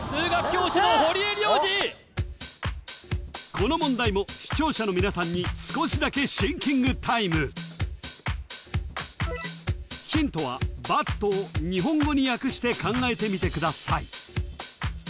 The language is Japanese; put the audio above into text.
この問題も視聴者の皆さんに少しだけシンキングタイムヒントはｂｕｔを日本語に訳して考えてみてください